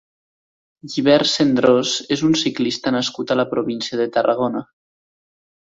Llibert Sendrós és un ciclista nascut a la província de Tarragona.